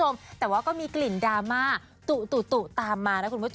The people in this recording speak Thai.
และมีกลิ่นดราม่าตุ๊ะตามมา